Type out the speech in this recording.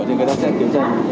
thì người ta sẽ kiểm tra điện